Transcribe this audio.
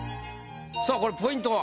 さあこれポイントは？